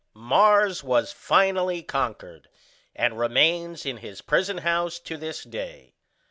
Mars was finally conquered, and remains in his prison house to this day.